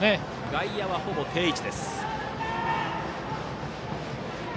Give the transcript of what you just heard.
外野はほぼ定位置。